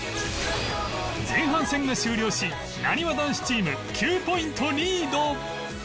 前半戦が終了しなにわ男子チーム９ポイントリード